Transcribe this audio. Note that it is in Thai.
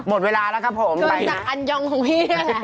เกินจากอัญญองของพี่